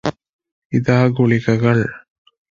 ഇതാ ഗുളികകൾ